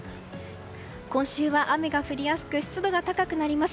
今週は雨が降りやすく湿度が高くなります。